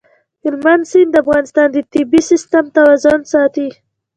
هلمند سیند د افغانستان د طبعي سیسټم توازن ساتي.